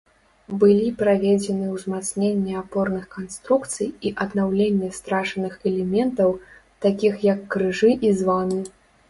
Былі праведзены ўзмацненне апорных канструкцый і аднаўленне страчаных элементаў, такіх як крыжы і званы.